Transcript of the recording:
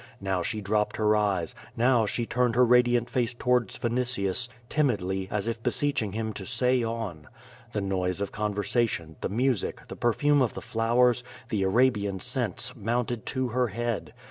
Now she dropped her eyes, now she turned her radiant face towards Vinitius, timidly, as if beseeching him to say on. The noise of con versation, the music, the perfume of the flowers, the Arabian scents, mounted to her head.